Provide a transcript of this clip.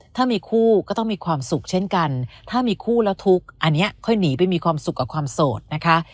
ถ้ามีคู่ก็ต้องมีความสุขเช่นกันถ้ามีคู่แล้วทุกข์อันนี้ค่อยหนีไปมีความสุขกับความโสดนะคะ